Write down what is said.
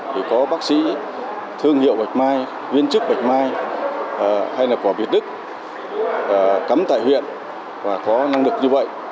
thì có bác sĩ thương hiệu bạch mai viên chức bạch mai hay là quả việt đức cắm tại huyện và có năng lực như vậy